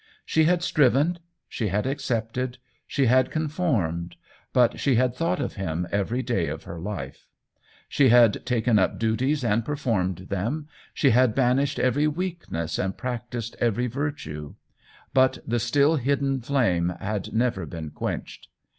She had striven, she had accepted, she had conformed ^ but she had thought of him every day of her life. She had taken up duties and performed them, she had ban ished every weakness and practised every THE WHEEL OF TIME 79 virtue ; but the still, hidden flame had never been quenched.